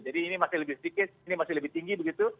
jadi ini masih lebih sedikit ini masih lebih tinggi begitu